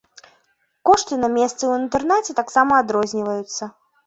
Кошты на месцы ў інтэрнаце таксама адрозніваюцца.